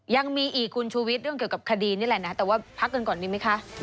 ยังมีอีกคุณชูวิทย์เรื่องเกี่ยวกับคดีนี่แหละนะแต่ว่าพักกันก่อนดีไหมคะ